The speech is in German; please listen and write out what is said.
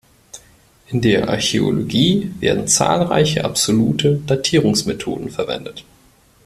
In der Archäologie werden zahlreiche absolute Datierungsmethoden verwendet.